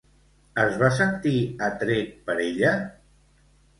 Es va sentir atret per ella?